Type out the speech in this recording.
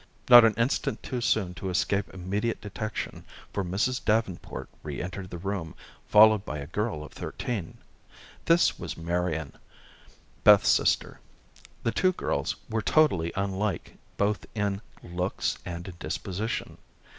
Not an instant too soon to escape immediate detection, for Mrs. Davenport reëntered the room, followed by a girl of thirteen. This was Marian, Beth's sister. The two girls were totally unlike both in looks and in disposition.